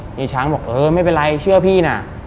ยายช้างบอกเออไม่เป็นไรเชื่อพี่นะ